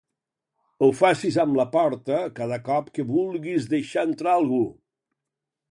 Ho facis amb la porta cada cop que vulguis deixar entrar algú.